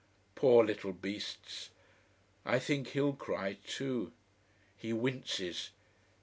"Poor little beasts! I think he'll cry too. He winces.